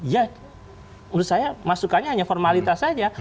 ya menurut saya masukannya hanya formalitas saja